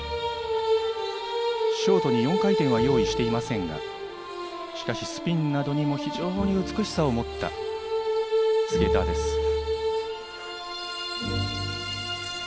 ショートに４回転は用意していませんが、しかしスピンなども非常に美しさを持ったスケーターです。